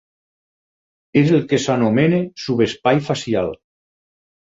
És el que s'anomena subespai facial.